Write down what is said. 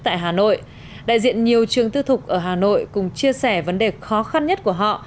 tại hà nội đại diện nhiều trường tư thục ở hà nội cùng chia sẻ vấn đề khó khăn nhất của họ